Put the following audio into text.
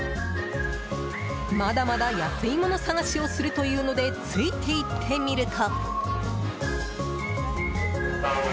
まだまだ安いもの探しをするというのでついていってみると。